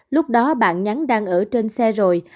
lúc đó bạn nhắn đang ở trên xe rồi